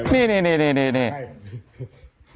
แก้วมานี่